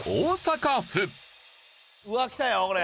うわあきたよこれ。